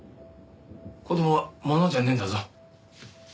子供は物じゃねえんだぞ。